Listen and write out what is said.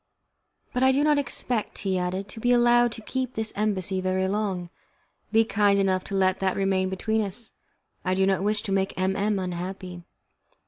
"But I do not expect," he added, "to be allowed to keep this embassy very long. Be kind enough to let that remain between us. I do not wish to make M M unhappy."